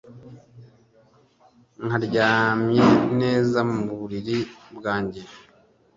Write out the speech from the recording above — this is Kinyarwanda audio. nkaryamye neza mu buriri bwanjye